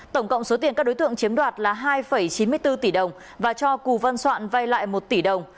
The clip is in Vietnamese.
tổng cộng số tiền các đối tượng chiếm đoạt là hai chín mươi bốn tỷ đồng và cho cù văn soạn vay lại một tỷ đồng